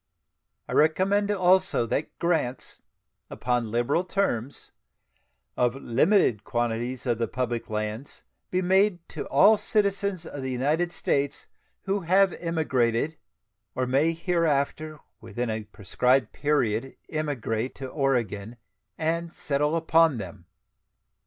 I recommend also that grants, upon liberal terms, of limited quantities of the public lands be made to all citizens of the United States who have emigrated, or may hereafter within a prescribed period emigrate, to Oregon and settle upon them.